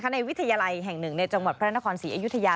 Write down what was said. ในวิทยาลัยแห่งหนึ่งในจังหวัดพระนครศรีอยุธยา